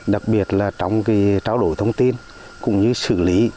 đặc biệt là trong trao đổi thông tin cũng như xử lý